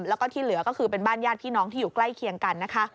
แล้วก็ที่เหลือก็คือเป็นบ้านญาติพี่น้องที่อยู่ใกล้เคียงกันนะคะ